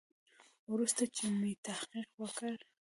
وروسته چې مې تحقیق وکړ.